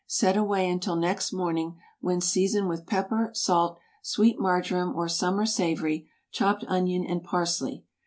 Set away until next morning, when season with pepper, salt, sweet marjoram or summer savory, chopped onion, and parsley.